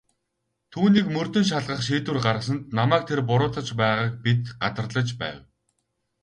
Түүнийг мөрдөн шалгах шийдвэр гаргасанд намайг тэр буруутгаж байгааг би гадарлаж байв.